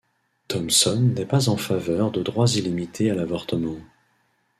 Thomson n'est pas en faveur de droits illimités à l'avortement.